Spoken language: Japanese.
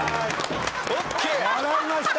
笑いました。